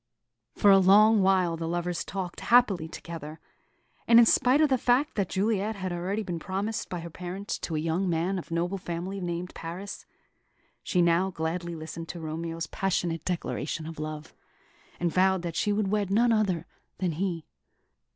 For a long while the lovers talked happily together; and in spite of the fact that Juliet had already been promised by her parents to a young man of noble family named Paris, she now gladly listened to Romeo's passionate declaration of love, and vowed that she would wed none other than he.